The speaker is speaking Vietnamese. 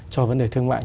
cho vấn đề thương mại